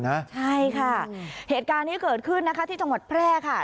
ใช่ค่ะเหตุการณ์นี้เกิดขึ้นนะคะที่จังหวัดแพร่ค่ะ